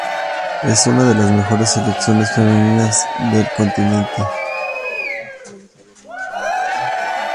Es una de las mejores selecciones femeninas del continente.